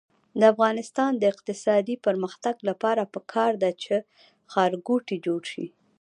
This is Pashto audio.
د افغانستان د اقتصادي پرمختګ لپاره پکار ده چې ښارګوټي جوړ شي.